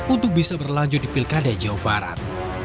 untuk bisa berlanjut di pilkada jawa barat